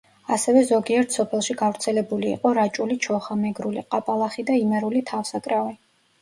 ასევე ზოგიერთ სოფელში გავრცელებული იყო რაჭული ჩოხა, მეგრული ყაბალახი და იმერული თავსაკრავი.